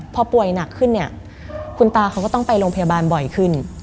พอป่วยหนักขึ้นเนี่ยคุณตาเขาก็ต้องไปโรงพยาบาลบ่อยขึ้น